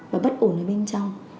và bất ổn ở bên trong